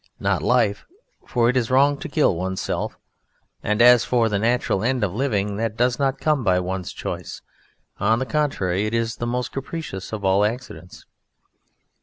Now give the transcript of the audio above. Not life, for it is wrong to kill one's self; and as for the natural end of living, that does not come by one's choice; on the contrary, it is the most capricious of all accidents.